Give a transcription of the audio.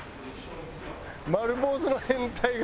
丸坊主の変態が。